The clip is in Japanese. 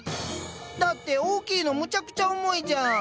だって大きいのむちゃくちゃ重いじゃん。